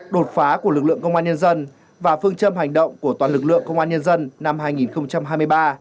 đột phá của lực lượng công an nhân dân và phương châm hành động của toàn lực lượng công an nhân dân năm hai nghìn hai mươi ba